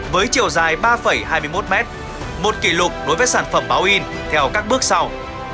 với chiều dài ba hai mươi một m một kỷ lục đối với sản phẩm báo in theo các bước sau